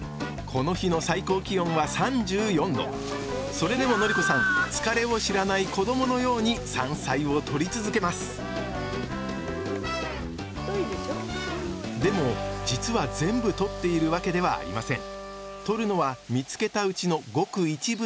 それでものり子さん疲れを知らない子どものように山菜を採り続けますでも実は全部採っているわけではありません。